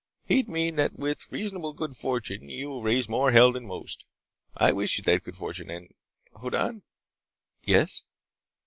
He'd mean that with reasonable good fortune you will raise more hell than most. I wish you that good fortune. And Hoddan—" "Yes?"